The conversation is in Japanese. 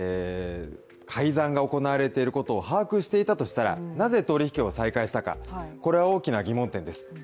改ざんが行われていることを把握していたとしたら、なぜ取引を再開したか、これは大きな疑問点です。